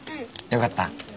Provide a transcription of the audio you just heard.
よかった。